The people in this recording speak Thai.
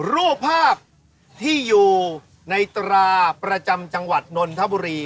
รูปภาพที่อยู่ในตราประจำจังหวัดนนทบุรี